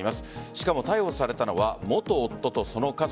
しかも逮捕されたのは元夫とその家族。